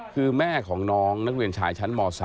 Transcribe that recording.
คือแม่ของน้องนักเรียนชายชั้นม๓